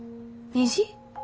虹？